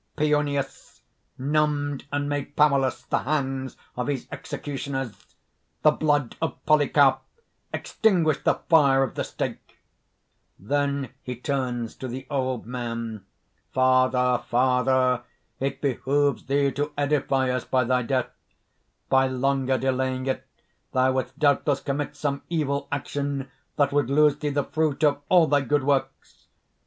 Pionius numbed and made powerless the hands of his executioners; the blood of Polycarp extinguished the fire of the stake." (Then he turns to the Old Man: ) "Father, father! it behooves thee to edify us by thy death! By longer delaying it, thou wouldst doubtless commit some evil action that would lose thee the fruit of all thy good works.